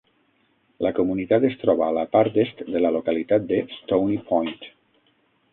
La comunitat es troba a la part est de la localitat de Stony Point.